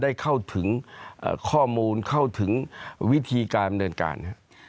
ได้เข้าถึงบุคค้าอ่าลข้อมูลเข้าถึงวิธีการเหนือการ